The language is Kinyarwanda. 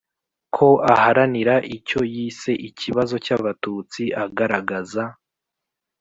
ko aharanira icyo yise ikibazo cy'abatutsi agaragaza